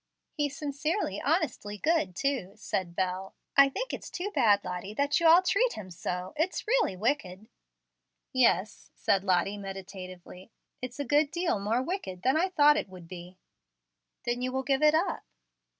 "He's sincerely, honestly good, too," said Bel. "I think it's too bad, Lottie, that you all treat him so. It's really wicked." "Yes," said Lottie, meditatively. "It's a good deal more wicked than I thought it would be." "Then you will give it up."